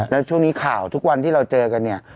แล้วช่วงนี้ข่าวทุกวันที่เราเจอกันเนี่ย